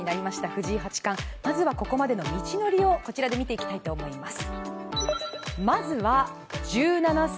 藤井八冠、まずはここまでの道のりをこちらで見ていきたいと思います。